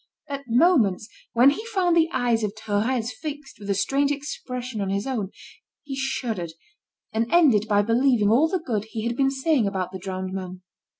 At moments, when he found the eyes of Thérèse fixed with a strange expression on his own, he shuddered, and ended by believing all the good he had been saying about the drowned man.